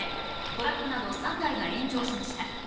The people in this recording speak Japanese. トラックなど３台が炎上しました。